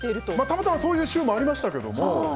たまたまそういう週もありましたけど。